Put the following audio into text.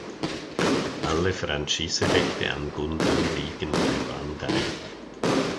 Alle Franchise-Rechte an Gundam liegen bei Bandai.